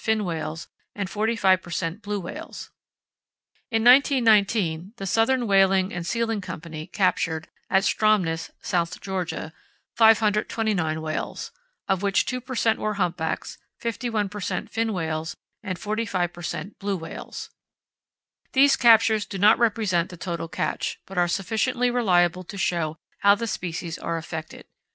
fin whales, and 45 per cent. blue whales. In 1919, the Southern Whaling and Sealing Company captured (at Stromness, South Georgia) 529 whales, of which 2 per cent. were humpbacks, 51 per cent. fin whales, and 45 per cent. blue whales. These captures do not represent the total catch, but are sufficiently reliable to show how the species are affected.